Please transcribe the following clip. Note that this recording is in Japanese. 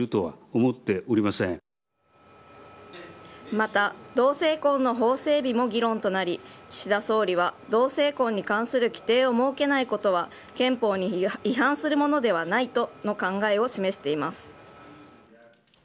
また、同性婚の法整備も議論となり、岸田総理は同性婚に関する規定を設けないことは憲法に違反するものではないとの考えを示しています。